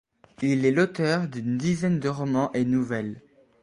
Il est l’auteur d’une dizaine de romans et nouvelles.